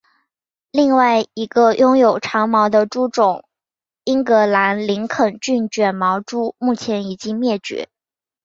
另外一个拥有长毛的猪种英格兰林肯郡卷毛猪目前已经灭绝。